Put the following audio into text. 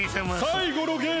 最後のゲームは。